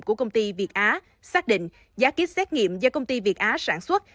của công ty việt á xác định giá kýt xét nghiệm do công ty việt á sản xuất